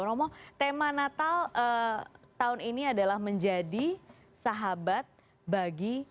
romo tema natal tahun ini adalah menjadi sahabat bagi